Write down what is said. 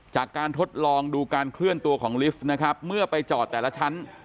จากการทดลองดูการเคลื่อนตัวของลิฟต์นะครับเมื่อไปจอดแต่ละชั้น